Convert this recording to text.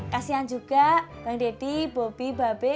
kasian juga bang deddy bobi babe kak mbak